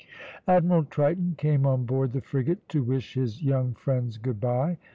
Admiral Triton came on board the frigate to wish his young friends good bye.